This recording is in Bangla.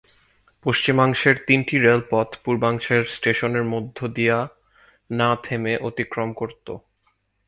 পশ্চিমাংশের তিনটি রেলপথ পূর্বাংশের স্টেশনের মধ্য দিয়া না থেমে অতিক্রম করতো।